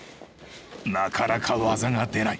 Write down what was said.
なかなか技が出ない。